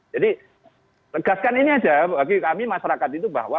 jadi tegaskan ini aja bagi kami masyarakat itu bahwa